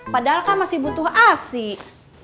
padahal kan masih butuh asik